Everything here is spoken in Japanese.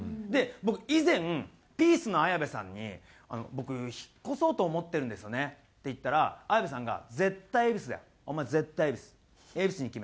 僕以前ピースの綾部さんに「僕引っ越そうと思ってるんですよね」って言ったら綾部さんが「絶対恵比寿だよお前絶対恵比寿。